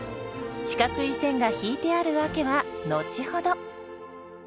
四角い線が引いてある訳は後ほど。